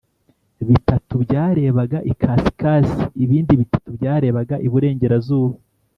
bitatu byarebaga ikasikazi, ibindi bitatu byarebaga iburengerazuba